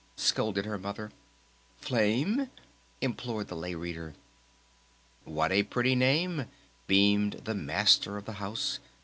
scolded her Mother. "Flame?" implored the Lay Reader. "What a pretty name," beamed the Master of the House.